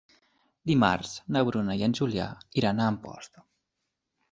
Dimarts na Bruna i en Julià iran a Amposta.